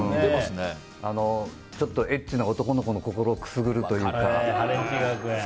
ちょっとエッチな男の子の心をくすぐるというか。